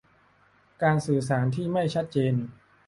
การสื่อสารที่ไม่ชัดเจน